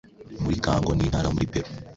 Muri kango n'intare muri Peru;